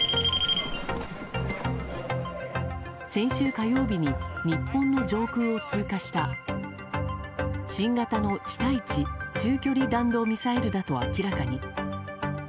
先週火曜日に日本の上空を通過した新型の地対地中距離弾道ミサイルだと明らかに。